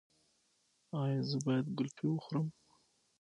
ایا زه باید ګلپي وخورم؟